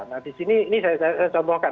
nah disini ini saya contohkan